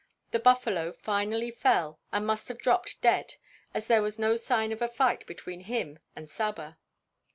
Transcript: The buffalo finally fell and must have dropped dead as there was no sign of a fight between him and Saba.